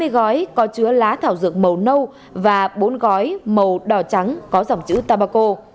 hai mươi gói có chứa lá thảo dược màu nâu và bốn gói màu đỏ trắng có dòng chữ tabaco